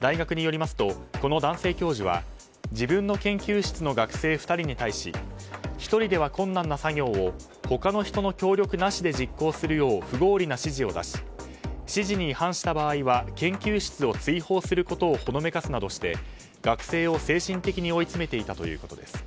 大学によりますとこの男性教授は自分の研究室の学生２人に対し１人では困難な作業を他の人の協力なしで実行するよう不合理な指示を出し指示に違反した場合は研究室を追放することをほのめかすなどして学生を精神的に追い詰めていたということです。